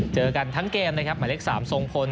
เจอกันทั้งเกมนะครับหมายเลข๓ทรงพล